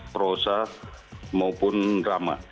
prosa maupun drama